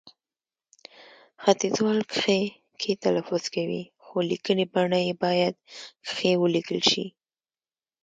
ختیځوال کښې، کې تلفظ کوي، خو لیکنې بڼه يې باید کښې ولیکل شي